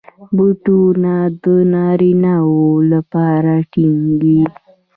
بوټونه د نارینه وو لپاره ټینګ وي.